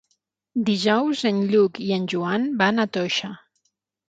Dijous en Lluc i en Joan van a Toixa.